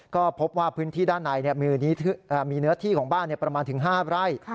ก็พบว่าพื้นที่ด้านในมีเนื้อที่ของบ้านประมาณถึง๕ไร่